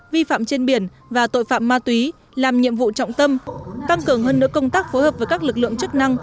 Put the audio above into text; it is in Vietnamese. vi phạm trên biển và tội phạm ma túy làm nhiệm vụ trọng tâm tăng cường hơn nữa công tác phối hợp với các lực lượng chức năng